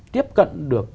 tiếp cận được